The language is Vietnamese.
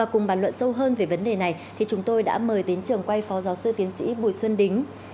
cùng bàn luận sâu hơn về vấn đề này chúng tôi đã mời đến trường quay phó giáo sư tiến sĩ bùi xuân đính